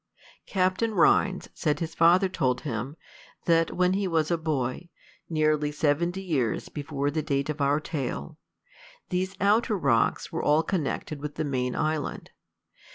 Captain Rhines said his father told him, that when he was a boy (nearly seventy years before the date of our tale) these outer rocks were all connected with the main island.